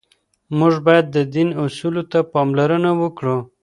موږ باید د دین اصولو ته پاملرنه وکړو.